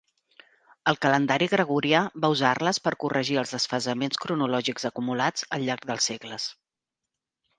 El calendari gregorià va usar-les per corregir els desfasaments cronològics acumulats al llarg dels segles.